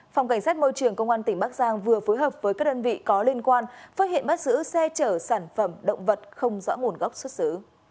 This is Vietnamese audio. phòng cảnh sát môi trường công an tỉnh bắc giang vừa phối hợp với các đơn vị có liên quan phát hiện bắt giữ xe chở sản phẩm động vật không rõ nguồn gốc xuất xứ